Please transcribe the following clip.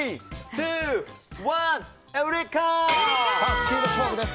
スピード勝負です。